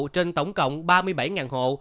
trên tổng cộng ba mươi bảy hộ